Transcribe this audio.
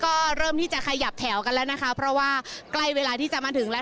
ก็เริ่มที่จะขยับแถวกันแล้วนะคะเพราะว่าใกล้เวลาที่จะมาถึงแล้ว